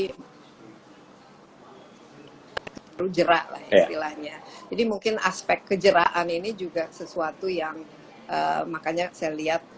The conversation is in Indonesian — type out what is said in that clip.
hai perlu gerak lamaial hanya jadi mungkin aspek ke jerak an ini juga sesuatu yang makanya sel lihat